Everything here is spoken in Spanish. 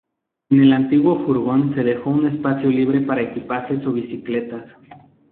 En el antiguo furgón se dejó un espacio libre para equipajes o bicicletas.